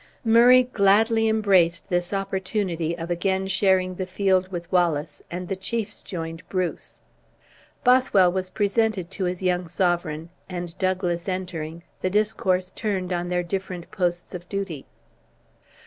Murray gladly embraced this opportunity of again sharing the field with Wallace, and the chiefs joined Bruce. Bothwell was presented to his young sovereign, and Douglas entering, the discourse turned on their different posts of duty.